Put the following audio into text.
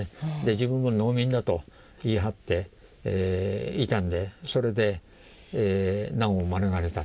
自分は農民だと言い張っていたんでそれで難を免れた。